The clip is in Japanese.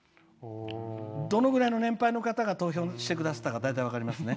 どのぐらいの年配の方が投票してくださったか大体分かりますね。